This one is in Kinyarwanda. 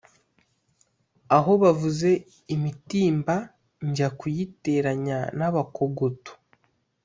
Aho bavuze imitimba njya kuyiteranya n’Abakogoto